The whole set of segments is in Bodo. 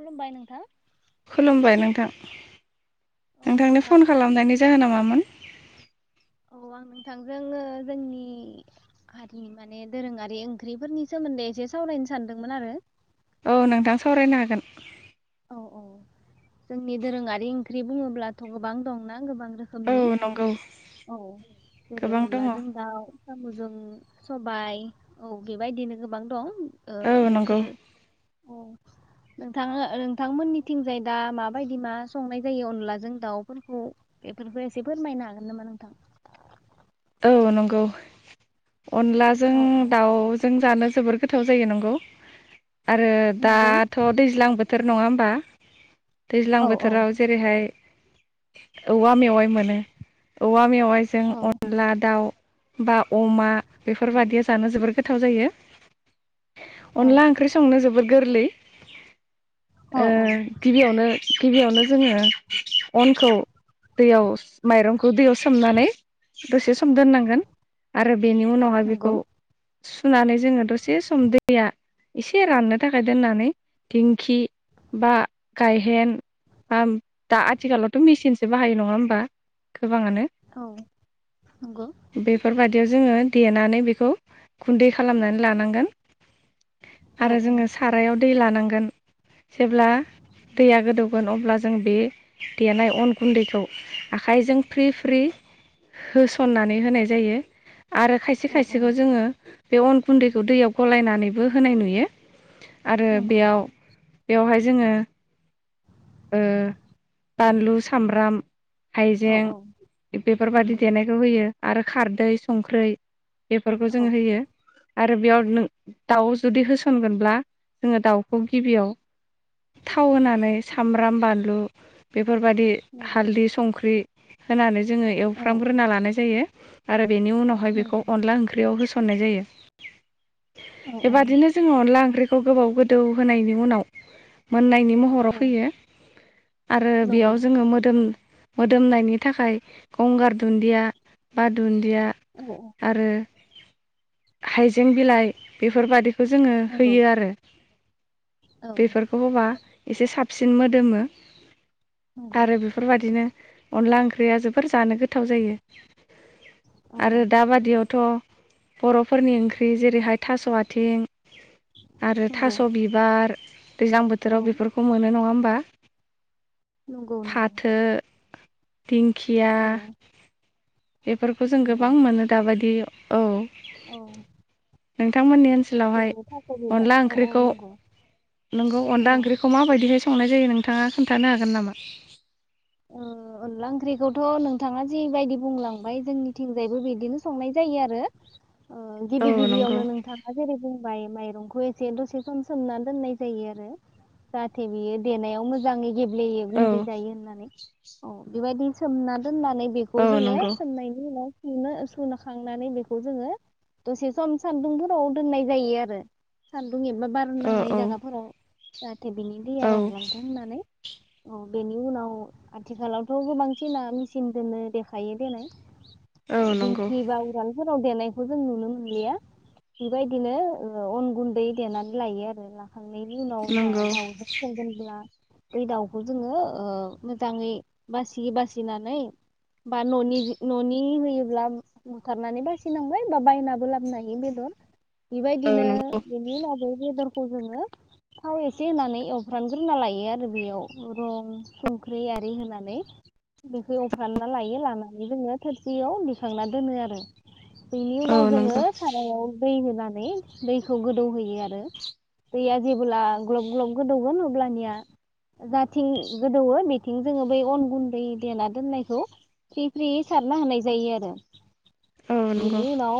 खुलुमबाय नोंथां खुलुमबाय नोंथां। औ नोंथांनो नोंथां फन खालामनायनि जाहोना मामोन औ आं नोंथांजों जोंनि हारि माने दोरोङारि ओंख्रिफोरनि सोमोन्दै एसे सावरायनो सानदोंमोन आरो औ नोंथां सावरायनो हागोन। औ औ जोंनि दोरोङारि ओंख्रि बुङोब्लाथ' गोबां दंना गोबां औ रोखोमनि नंगौ औ जेरै गोबां दङ औ अनलाजों दाव साम'जों सबाय औ बेबायदिनो गोबां दं नंगौ बेफोरो नोंथाङ नोंथांमोननिथिंजाय दा माबायदि मा संनाय जायो अनलाजों दाउफोरखौ बेफोरखौ एसे फोरमायना मोननोमोना [inaudible] [unintelligible] नोंथां औ नंगौ। अनलाजों औ औ दाउजों जानो जोबोर गोथाव जायो नंगौ आरो नंगौ दाथ' दैज्लां बोथोर बोथोर नङा होमबा? दैज्लां औ बोथोराव जेरैहाय औवा मेवाइ मोनो औवा मेवाइजों औ अन ला दाउ बा अमा बेफोरबादिया जानो जोबोर गो गोथाव जायो औ अनला ओंख्रि संनो जोबोद गोरलै [inaudible] औ औ [unintelligible] गिबियावनो गिबियावनो जोङो अनखौ दैयाव माइरंखौ दैयाव सोमनानै दसे सम दोननांगोन आरो ओमफ्राय बेनि उनावहाय नंगौ बेखौ सुनानै जोङो दसे सम दैया एसे राननो थाखाय दोननानै दिंखि बा गायहेन बा दा आथिखालावथ' मेसिनसो बाहायो नङा होमबा? गोबाङानो औ नंगौ बेफोर बादि जोङो देनानै बेखौ गुन्दै खालामनानै लानांगोन। औ आरो औ जोङो सारायाव दै लानांगोन जेब्ला दैया गोदौगोन अब्ला जों बे देनाय अन गुन्दैखौ आखाइजों फ्रि फ्रि होसननानै होनाय जायो। आरो खायसे औ औ खायसेखौ जोङो बे अन गुन्दैखौ दैयाव गलायनानैबो होनाय नुयो। आरो नंगौ बेयाव बेवहाय जोङो ओ बानलु सामब्राम औ औ हाइजें बे बादि नंगौ देनायखौ होयो। आरो खारदै संख्रै बेफोरखौ औ जों होयो आरो बेयाव नों दाउ जुदि होसनगोनब्ला जोङो दाउखौ गिबियाव थाव होनानै सामब्राम बानलु बे फोरबायदि नंगौ हालदै संख्रि होनानै जोङो एल औ औ फ्राम ग्रोना लानाय जायो। आरो बेनि उनावहाय बेखौ नंगौ अनला ओंख्रियाव होस खननाय जायो औ बेबादिनो जोङो अनला ओंख्रि खौ गोबाव गोदौ होनायनि उनाव मोननायनि महराव औ फैयो। आरो नंगौ बेयाव जोङो मोदोम मोदोमनायनि थाखाय गंगार दुन्दिया बा दुन दिया औ नंगौ आरो हाइजें बिलाइ बेफोरबादि खो जोङो औ नंगौ होयो आरो औ बेफोरखौ होबा एसे साब सिन मोदोमो नंगौ आरो बेफोरबादिनो अनला ओंख्रिया जोबोर जानो गोथाव जायो औ आरो दाबादियावथ। बरफोरनि ओंख्रि जेरै‌ हा थास आथें आरो नंगौ थास बिबार दैज्लां बोथोराव बेफोरखौ मोनो नङा होमबा नंगौ फाथो दिंखिया औ बेफोरखौ जों नंगौ गोबां मोनो दाबादियाव। औ। औ नोंथांमोननि ओन सोलावहाय जेरै थास' बिबार अनला औ औ ओंख्रिखौ नंगौ नंगौ औ अनला ओंख्रिखौ मा बायदिहाय सं संनाय जायो नोंथाङा खोन्थानो हागोन नामा। ओ अनला ओंख्रिखौथ नोंथाङा जिबायदि बुंलांबाय जोंनिथिंजायबो बिदिनो संनाय जायो आरो ओ गिबि औ नंगौ गिबियावनो नोंथाङा जेरै बुंबाय माइ। रंखौ एसे दसे सम सोमना दोननाय जायो आरो जाहाथे बियो देनायाव मोजाङै। गेब्लेयो औ गुन्दै जायो होननानै। औ बेबायदि सोमना दोननानै बेखौ औ जोङो नंगौ सोमनायनि उनाव सुनो सुनो खांनानै बेखौ जोङो दसे सम सान्दुंफोराव दोननाय जायो आरो दुं एबा बार औ नांनाय औ जायागाफोराव। बिनि दैया औ रानलांथों होननानै। औ बेेनि उनाव आथिखालावथ गोबांसिना मेसिन दोननो देखायो देनाय औ ओ नंगौ दिंखि बा उराल फोराव देनायखौ जों नुनो मोनलिया बेबायदिनो अन गुन्दै देनानै लायो आरो ला थांनायनि उनाव जा नंगौ दाउजों सगोनब्ला बै दाउखौ जोङो ओमम जाङै बासि बासिनानै बा न'नि न'नि होयोब्ला बुथारनानै बासिनांबाय, बा बायनाबो लाबनो हायो बेदर। औ बेबायदिनो नंगौ बेनि उनावबोै बेदर खौ जोङो थाव एसे होनानै एवफ्रामगोरना लायो आरो बेयाव, रं, सं ख्रि आरि होनानै बेखौ एवफ्रामना लायो लानानै जोङो थोरसियाव बिखांना दोनो आरो। बेनि औ उनाव जोङो नंगौ सारायाव दै होनान नै दैखौ गोदौ होयो आरो दैया जेबोला ग्लब ग्लब गोदौगोन अब्लानिया जाथिं गोदौयो बि थिं जोङो बै अन गुन्दै देना दोननायखौ फ्रि फ्रियै सारना होनाय जायो आरो। औ नंगौ बिनि उनाव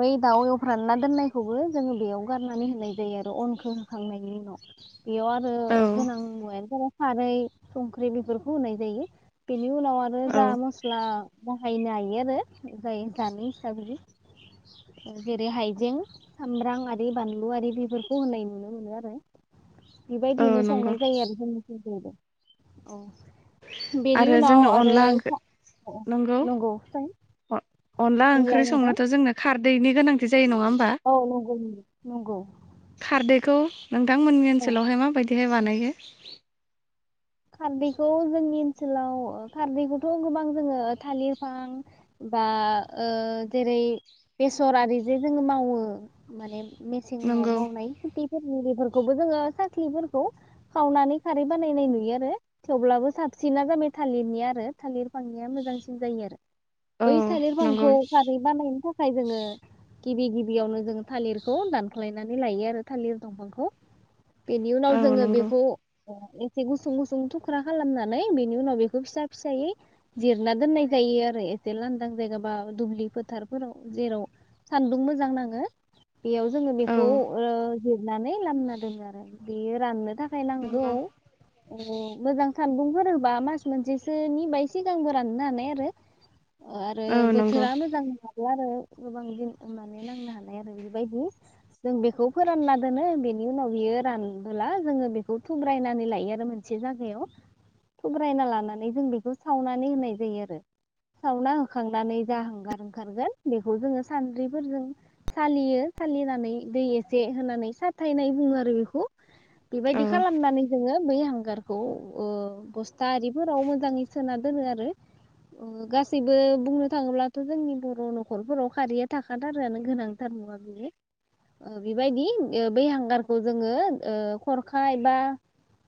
बै दाउ एवफ्रामना दोननायखौबो जोङो बेयाव गारनानै होनाय जायो आरो अनखो होखांनायनि उनाव। बेयाव आरो औ गोनां मुवायानो जाबाय खारै, संख्रि बिफोरखौ होनाय जायो। बि नि उनाव आरो औ जा मस्ला बाहायनो हायो आरो जाय जानाय हिसाबै जेरै हाइजें सामब्रां आरि बानलु आरि बेफोरखौ होनाय नुनो मोनो आरो। औ बिबायदिनो नंगौ संनाय जायो आरो जोंनिथिं। औ दे। औ। बेनि आरो उनाव जोंनो आरो अनला ओंख्रि स नंगौ सों? अनला ओंख्रि बुंलाय नोंथां संनोथ' जोंनो खार दैनि गोनांथि जायो नङा होमबा औ नंगौ नंगौ नंगौ। खौ नोंथांमोननि औ ओनसोलावहाय मा बायदिहाय बानायो? खारदैखौ जोंनि ओनसोलाव खारदैखौथ' गोबां जोङो थालिर बिफां बा ओ जेरै बेसर आरि जे जोङो मावो, माने मिसेङाव नंगौ मावनाय, बेफोर बेफोरखौबो जोङो साख्लिफोरखौ सावनानै खारै बानायनाय नुयो आरो। थेवब्लाबो साबसिना जाबाय थालिरनि आरो थालिर बिफांनिया मोजांसिन जायो आरो। औ बै थालिर नंगौ फांखौ खारै बानायनो थाखाय जोङो गिबि गिबियावनो जों थालिरखौ दानख्लायनानै लायो आरो थालिर दंफांखौ। बेनि उनाव औ जोङो नंगौ बेखौ एसे गुसुं गु थसुं थुख्रा खालामनानै, बेनि उनाव बेखौ फिसा फिसायै जिरना दोननाय जायो आरो एसे लांदां जायगा बा दुब्लि फोथारफोराव जेराव सानदुं मोजां नाङो। बेयाव जोङो औ बेखौ ओ नानै लामना दोनो आरो। बेयो राननो था खाय नांगौ नंगौ अ मोजां सानदुंफोर होबा मास मोनसेसोनि बाय सिगांबो राननो हानाय आरो अ आरो औ नंगौ बोथोरा मोजां नङा आरो गोबां दिन होनानै नांनो हानाय आरो बे बेबायदि जों बेखौ फोरानना दोनो बेनि उनाव बियो रानबोला जोङो बेखौ थुब्रायनानै लायो आरो मोन से जागायाव थुब्रायना लानानै जों बेखौ सावनानै होनाय जायो आरो सावना होखांनानै जा हांगार ओंखारगोन बेखौ जोङो सानद्रिफोरजों सालियो सालिनानै दै एसे होनानै साथायनाय बुङो आरो बेखौ औ बेबायदि खालामनानै जोङो बै हांगार खौ ओ बस्था आरिफोराव मोजाङै सोना दोनो आरो ओ गासैबो बुंनो थाङोब्लाथ' जोंनि बर' न'खरफोराव खारैया थाखाथारोआानो गोनांथार मुवा बेनो ओ बेबायदि बे हांगारखौ जोङो ओ खरखाय एबा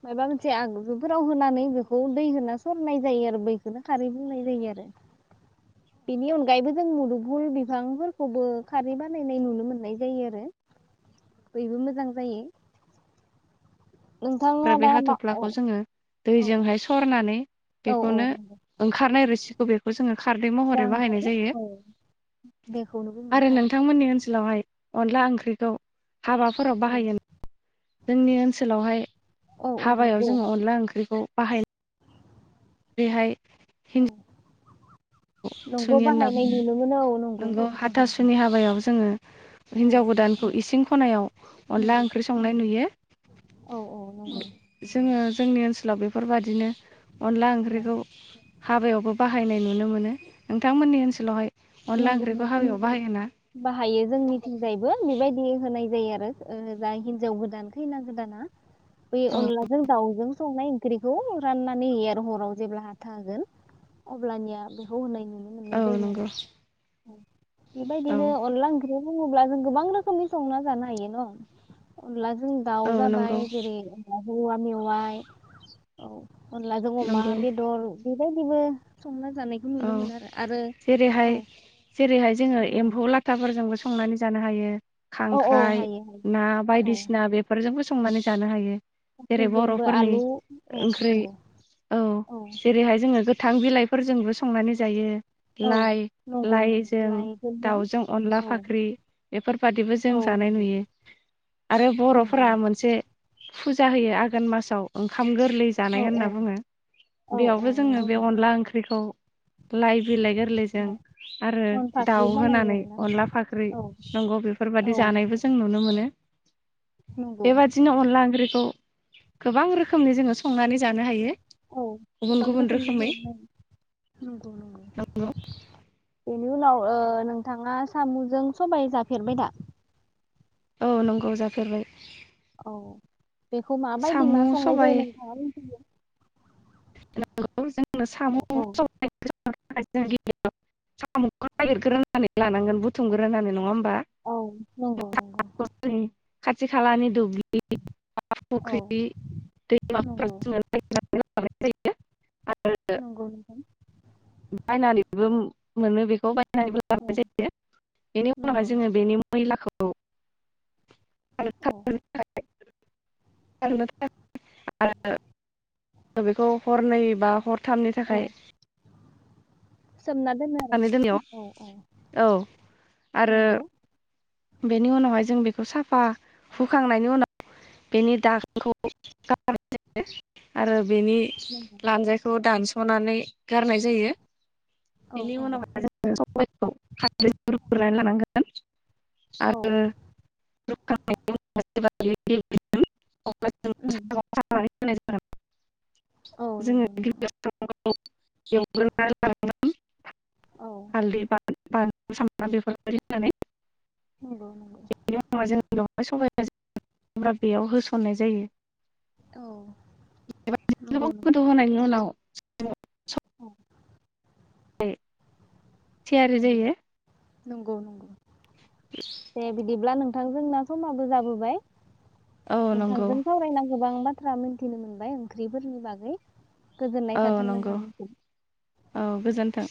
माबा मोनसे एसे आगजुफोराव होनानै बेखौ दै होना सरनाय जायो आरो बैखौनो खारै बुंनाय जायो आरो बेनि अनगायैबो जों मुदुफुल बिफांफोरखौबो खारै बानायनाय नुनो मोननाय जायो आरो बैबो मोजां जायो नोंथाङा आरो बे दा मा अ हाथ'फ्लाखौ जोङो दैजोंहाय सरना नानै बेखौनो ओंखारनाय रोसि खौ बेखौ जोङो खारदै जा महरै बाहायनाय ओंखारो जायो औ बेखौनो बुङो आरो खारै नोंथांमोननि ओनसोलावहाय अनला ओंख्रिखौ हाबाफोराव औ बाहायो जोंनि ओनसोलावहाय औ औ हाबायाव नंगौ जोङो अनला ओं ख्रिखौ बाहाय बेहाय हिं औ नंगौ सुनि होनना बाहायनाय नुनो बुङो मोनो औ नंगौ नोंगौ नंगौ हाथा सुनि हाब हाबायाव जोङो औ हिनजाव गोदानखौ इसिं खनायाव अनला नंगौ ओंख्रि संनाय नुयो औ औ नंगौ जोङो जोंनि ओनसोलाव बेफोरबायदिनो अनला औ ओंख्रिखौ हाबायावबो बाहायनाय नुनो मोनो नोंथांमोननि ओनसोलावहाय अनला नंगौ ओंख्रिखौ हाबायाव नंगौ बाहायोना बाहायो जोंनिथिंजायबो बेबायदि होनाय जायो आरो ओ जा हिनजाव गोदान खैना गोदाना बे औ अनलाजों दाउजों संनाय ओंख्रिखौ राननानै होयो आरो हराव जेब्ला हाथा होगोन अब्लानिया बेखौ होनाय नु औ नंगौ औ औ बेबायदिनो अनला ओंख्रि बुङोब्ला जों गोबां रोखोमनि संना जानो हायो न अनलाजों औ नंगौ दावजाबाय जेरै अनलाजों औवा मेवाय औ अनलाजों अमा नंगौ बेदर बेबायदिबो संना जानायखौ नुनो औ मोनो आरो आरो जेरैहाय औ जेरैहाय जोङो नंगौ एम्फौ लाथाफोरजोंबो संना संनानै जानो हायो औ औ खांख्राइ हायो हायो ना औ बायदिसिना बेफोरजोंबो सं संनानै जानो हायो जेरै गासैजोंबो बर'फोरनि आलु औ ओंख्रि नंगौ औ जेरैहाय जोङो गो थां बिलाइफोरजोंबो संनानै जायो औ लाइ नंगौ नंगौ लाइजों लाइफोरजों दाउजों अनला औ फाख्रि बेफोरबादिबो जों औ जानाय नंगौ नुयो आरो नंगौ बर'फोरा मोनसे फुजा होयो आघोन मासाव ओंखा ओंखाम गोरलै औ जानाय औ होनना बुङो औ औ बेयावबो नंगौ जोङो बे नंगौ अनला ओंख्रिखौ लाइ बिलाइ गोरलैजों औ आरो अन फाख्रि दाउ बानायो होनानै आरोना अनला फाख्रि औ नंगौ औ बेफोरबायदि जानायबो जों नुनो मोनो नंगौ बेबादिनो अनला ओंख्रिखौ गोबां रोखोमनि जोङो संनानै जानो हायो औ गुबुन गोबां गुबुन रोखोमनि रोखोमै दंमोन नंगौ नंगौ बेनो उनाव ओ नोंथाङा साम'जों सबाय जाफेरबाय दा औ नंगौ जाफेरबाय औ बेखौ माबायदि मा साम' संनाय जायो नोंथाङा मिथियो [unintelligible] आंनो सामु औ औ सबायजों गिबियाव सामुखौ नागिरग्रोनानै लानांगोन बुथुमग्रोनानै नङा होम बा औ नंगौ नंगौ [unintelligible] खाथि खालानि दुब्लि औ फुख्रि नंगौ दैमाफोर [unintelligible] जायो आरो नंगौ नोंथां बायनानैबो मो मोनो बेखौ बाय नानैबो औ जायो बेनि उनावहाय नंगौ जोङो बेनि मैलाखौ औ [inaudible] औ [unintelligible] बेखौ हरनै बा हर थामनि औ थाखाय सोमना दोनो आरो नानै दोननायाव औ औ औ आरो नंगौ बेनि उनावहाय जों बेखौ साफा हुखांनायनि उनाव बेनि दागोनखौ गार जायो आरो बेनि नंगौ लान्जायखौ दानस सनानै गारनाय जायो। औ बेनि औ उनावहाय जोङो [unintelligible] होनानै लानांगोन औ आरो [unintelligible] अब्ला जों [unintelligible] होनाय उम जागोन। जोङो [unintelligible] औ नंगौ एव नंगौ एवग्रोनानै लानांगोन हालदै बा औ बानल सामब्राम बेफोरबायदि होनानै नंगौ नंगौ उनावहाय सबाया जोंना बेयाव होसननाय जायो। औ बेबायदिनो नंगौ गोबाव गोदौ नोंथां होनायनि उनाव औ [unintelligible] थियारि नंगौ जायो नंगौ नंगौ दे बिदिब्ला नोंथां जोंना समाबो जाबोबाय औ नंगौ नोंथांजों सावरायना गोबां बाथ थ्रा मिथिनो मोनबाय ओंख्रिफोरनि बागै। गोजोननाय औ थाथों नंगौ नोंथांनिसिम औ दे गोजोन्थों